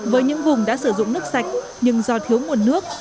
với những vùng đã sử dụng nước sạch nhưng do thiếu nguồn nước